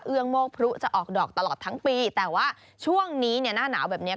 โมกพลุจะออกดอกตลอดทั้งปีแต่ว่าช่วงนี้เนี่ยหน้าหนาวแบบเนี้ย